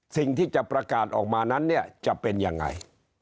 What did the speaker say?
สิ่งที่จะประกาศออกมานั้นเนี่ยจะเป็นยังไง